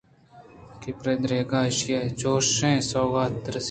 کہ پرے درٛوگاں کہ ایشی ءَ چُشیں سوغاتے رست